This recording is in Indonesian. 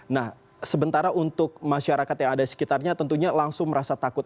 nah sementara untuk masyarakat yang ada di sekitarnya tentunya langsung merasa takut